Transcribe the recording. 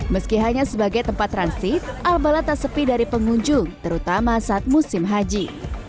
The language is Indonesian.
meski hanya sebagai tempat transit al bala tak sepi dari pengunjung terutama saat musim haji